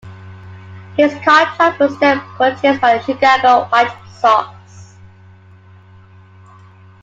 His contract was then purchased by the Chicago White Sox.